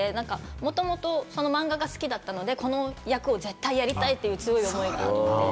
もともとそのマンガが好きだったので、この役を絶対やりたいという強い思いがあって。